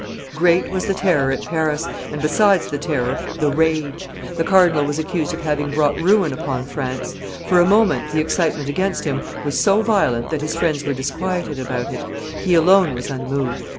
Great was the terror at Paris, and, besides the terror, the rage; the cardinal was accused of having brought ruin upon France; for a moment the excitement against him was so violent that his friends were disquieted by it: he alone was unmoved.